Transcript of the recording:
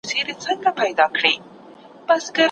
ډیپلوماسي رښتینې لار ده.